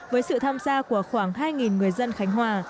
với sự tham gia của khoảng hai người dân khánh hòa